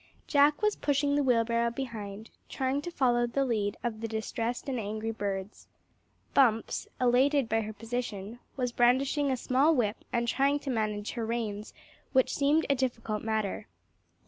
Jack was pushing the wheelbarrow behind, trying to follow the lead of the distressed and angry birds. Bumps, elated by her position, was brandishing a small whip and trying to manage her reins, which seemed a difficult matter.